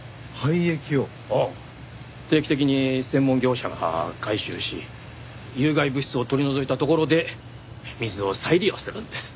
定期的に専門業者が回収し有害物質を取り除いたところで水を再利用するんです。